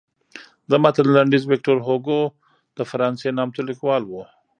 د متن لنډیز ویکتور هوګو د فرانسې نامتو لیکوال و.